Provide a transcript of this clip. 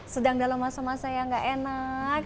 sedang dalam masa masa yang gak enak